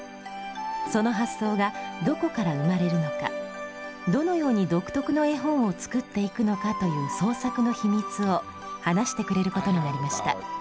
その発想がどこから生まれるのかどのように独特の絵本を作っていくのかという創作の秘密を話してくれることになりました。